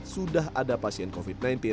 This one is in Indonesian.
sudah ada pasien covid sembilan belas